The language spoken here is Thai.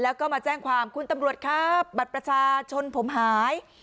แล้วก็มาแจ้งความคุณตำรวจครับบัตรประชาชนผมหาย